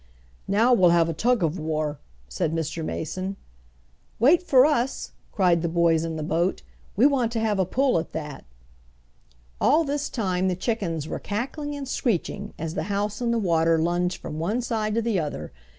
"Now we'll have a tug of war," said Mr. Mason. "Wait for us!" cried the boys in the boat "We want to have a pull at that." All this time the chickens were cackling and screeching, as the house in the water lunged from one side to the other.